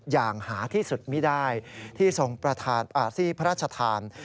อย่างหาที่สุดมิด้ายที่พระราชทาน